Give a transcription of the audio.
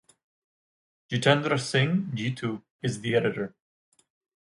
Jitendra Singh (Jeetu) is the editor.